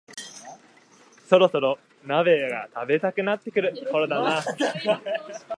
そろそろ鍋が食べたくなってくるころだな